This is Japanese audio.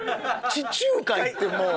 地中海ってもう。